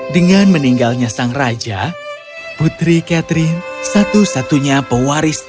dengan meninggalnya sang raja putri catherine satu satunya pewaris